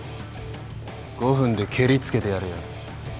５分でけりつけてやるよ。